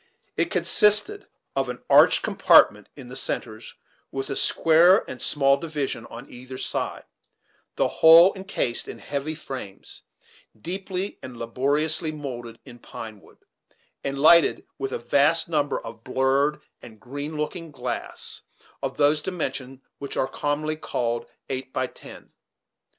It consisted of an arched compartment in the centres with a square and small division on either side, the whole incased in heavy frames, deeply and laboriously moulded in pine wood, and lighted with a vast number of blurred and green looking glass of those dimensions which are commonly called "eight by ten."